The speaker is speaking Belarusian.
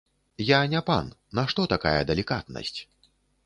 Я не пан, нашто такая далікатнасць?